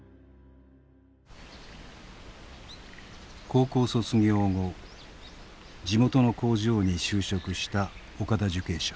高校卒業後地元の工場に就職した岡田受刑者。